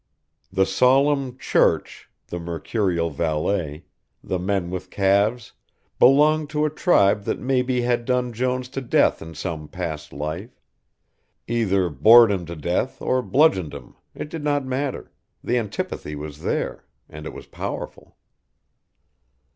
The solemn Church, the mercurial valet, the men with calves, belonged to a tribe that maybe had done Jones to death in some past life: either bored him to death or bludgeoned him, it did not matter, the antipathy was there, and it was powerful.